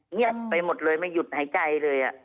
เงียบไปหมดเลยไม่หยุดหายใจเลย